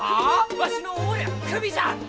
わしのお守りはクビじゃ！